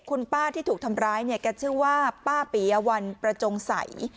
คุณป้าที่ถูกทำร้ายเนี่ยแกชื่อว่าป้าปียวัลประจงใส